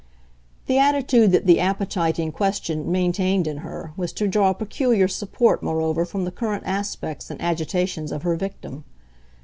The attitude that the appetite in question maintained in her was to draw peculiar support moreover from the current aspects and agitations of her victim.